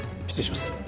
失礼します。